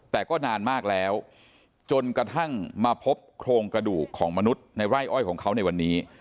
แต่ก็นานมากแล้วจนกระทั่งมาพบโครงกระดูกของมนุษย์ในไร่อ้อยของเขาในวันนี้